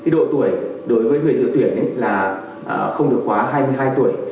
độ tuổi đối với người dự tuyển là không được quá hai mươi hai tuổi